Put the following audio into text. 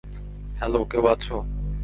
Hello, কেউ আছো?